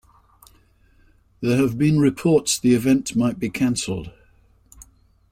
There have been reports the event might be canceled.